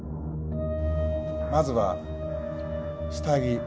まずは下着。